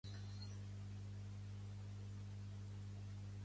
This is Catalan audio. Eritrea va acceptar més tard l'acord.